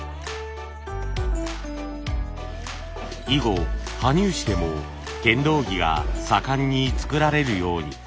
以後羽生市でも剣道着が盛んに作られるように。